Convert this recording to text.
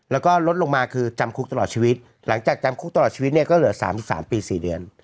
แล้วก็ลดลงมาคือจำคุกตลอดชีวิตหลังจากจำคุกตลอดชีวิตเนี่ยก็เหลือ๓๓ปี๔เดือน